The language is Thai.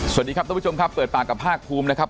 สวัสดีครับทุกผู้ชมครับเปิดปากกับภาคภูมินะครับ